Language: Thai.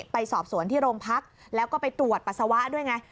ไปสอบสวนที่โรงพักแล้วก็ไปตรวจปัสสาวะด้วยไง